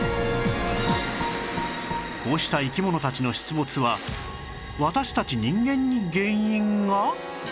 こうした生き物たちの出没は私たち人間に原因が！？